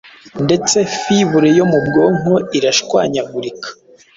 Fibure yo mu bwonko irashwanyagurika.